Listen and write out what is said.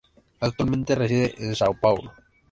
Actualmente reside en Sao Paulo.